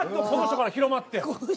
「この人から広まって」。